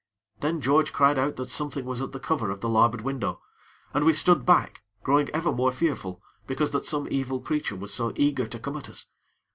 Then George cried out that something was at the cover of the larboard window, and we stood back, growing ever more fearful because that some evil creature was so eager to come at us.